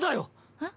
えっ？